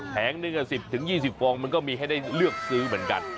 แงหนึ่ง๑๐๒๐ฟองมันก็มีให้ได้เลือกซื้อเหมือนกัน